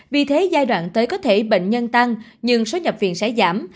vì thế giai đoạn tới có thể bệnh nhân tăng nhưng số nhập viện sẽ giảm